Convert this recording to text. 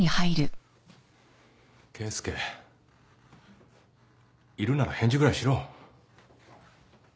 いるなら返事ぐらいしろ。